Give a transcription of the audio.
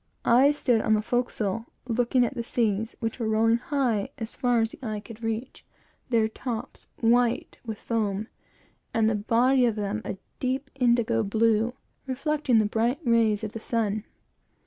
I stood on the forecastle, looking at the seas, which were rolling high, as far as the eye could reach, their tops white with foam, and the body of them of a deep indigo blue, reflecting the bright rays of the sun.